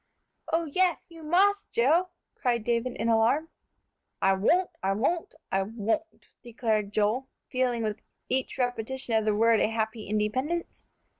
"Oh, yes, you must, Joe!" cried David, in alarm. "I won't, I won't, I won't!" declared Joel, feeling with each repetition of the word a happy independence.